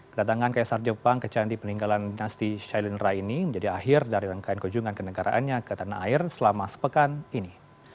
kedatangan kaisar jepang ke candi peninggalan dinasti shailendra ini menjadi akhir dari rangkaian kunjungan ke negaraannya ke tanah air selama sepekan ini